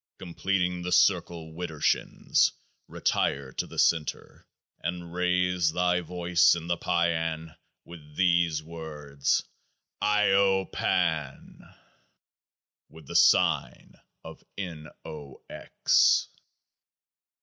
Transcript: Completing the circle widdershins, retire to the centre, and raise thy voice in the Paian, with these words IO I1AN with the signs of N. O. X.